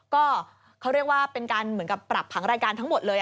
ก็เขาเรียกว่าเป็นการเหมือนกับปรับผังรายการทั้งหมดเลย